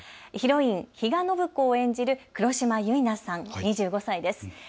ヒロイン、比嘉暢子を演じる黒島結菜さん、２５歳です。